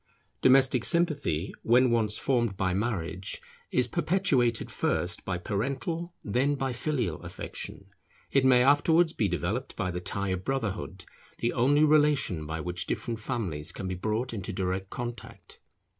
Domestic sympathy, when once formed by marriage, is perpetuated first by parental then by filial affection; it may afterwards be developed by the tie of brotherhood, the only relation by which different families can be brought into direct contact.